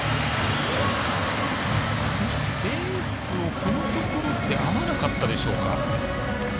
ベースを踏むところで合わなかったでしょうか。